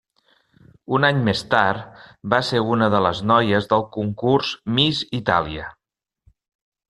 Un any més tard, va ser una de les noies del concurs Miss Itàlia.